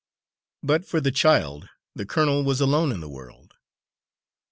But for the child the colonel was alone in the world.